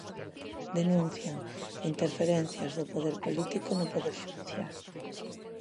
Denuncian "interferencias do poder político no poder xudicial".